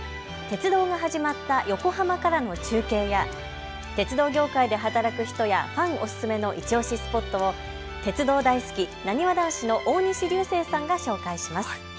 鉄道が始まった横浜からの中継や、鉄道業界で働く人やファンおすすめのいちオシスポットを鉄道大好きなにわ男子の大西流星さんが紹介します。